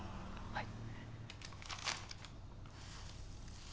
はい。